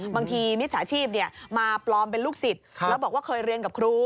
มิจฉาชีพมาปลอมเป็นลูกศิษย์แล้วบอกว่าเคยเรียนกับครู